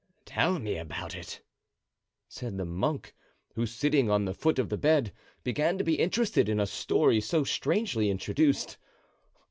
"Tell me about it," said the monk, who, sitting on the foot of the bed, began to be interested in a story so strangely introduced.